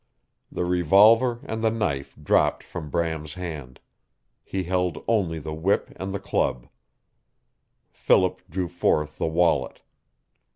The revolver and the knife dropped from Bram's hand. He held only the whip and the club. Philip drew forth the wallet.